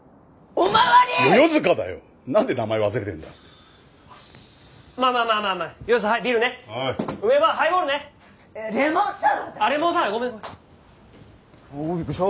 おおびっくりした！